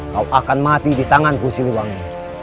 kau akan mati di tanganku siliwangi